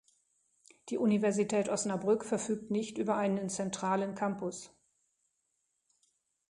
Die Universität Osnabrück verfügt nicht über einen zentralen Campus.